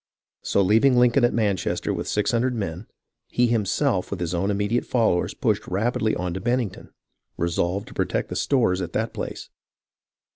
So leaving Lincoln at Manchester with six hundred men, he himself with his own immediate followers pushed rapidly on to Bennington, resolved to protect the stores at that place.